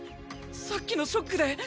さっきのショックで！？